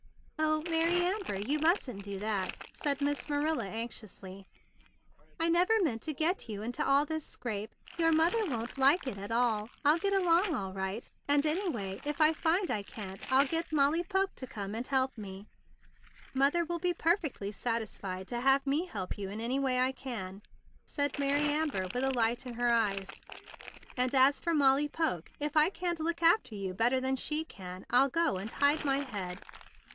"O Maiy Amber, you mustn't do that," said Miss Marilla anxiously. "I never meant to get you into all this scrape. Your mother won't like it at all. I'll get along all right; and any 144 THE BIG BLUE SOLDIER way, if I find I can't, I'll get Molly Poke to come and help me." "Mother will be perfectly satisfied to have me help you in any way I can," said Mary Amber with a light in her eyes; "and as for Molly Poke, if I can't look after you better than she can, I'll go and hide my head.